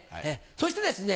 そしてですね